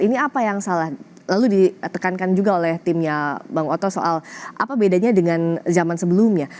ini apa yang salah lalu ditekankan juga oleh timnya bang oto soal apa bedanya dengan zaman sebelumnya